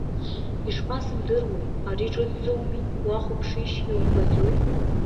Ишԥасымдыруеи, ари ҿыцӡоуми, уахәаԥшишь, иумбаӡои?